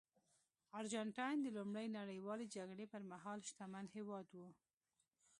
ارجنټاین د لومړۍ نړیوالې جګړې پرمهال شتمن هېواد و.